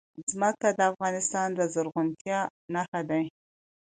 ځمکه د افغانستان د زرغونتیا نښه ده.